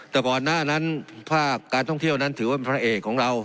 แต่ก่อนหน้านั้นภาพการท่องเที่ยวนั้นถือว่าเป็นพระเอกของเรา